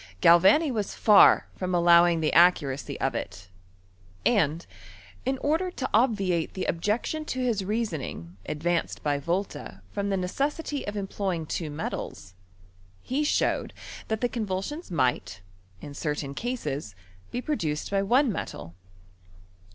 Galvani was far from allowing the accuracy of it ; and, in order to obviate the objection to his reasoning advanced by Volta from the neces sity of employing two metals, he showed that the convulsions might, in certain cases, be produced by one metal.